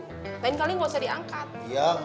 lain kali nggak usah diangkat